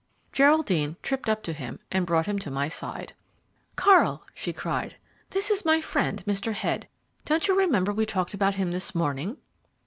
Geraldine tripped up to him and brought him to my side. "Karl," she cried, "this is my friend Mr. Head. Don't you remember we talked about him this morning?"